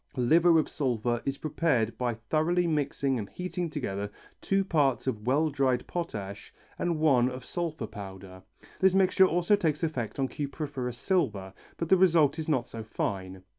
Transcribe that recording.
Liver of sulphur is prepared by thoroughly mixing and heating together two parts of well dried potash and one of sulphur powder. This mixture also takes effect on cupriferous silver, but the result is not so fine.